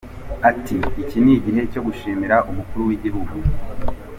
Ati: “Iki ni igihe cyo gushimira umukuru w’igihugu.